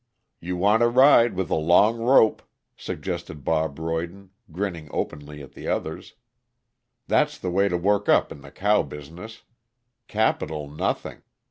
"You want to ride with a long rope," suggested Bob Royden, grinning openly at the others. "That's the way to work up in the cow business. Capital nothing!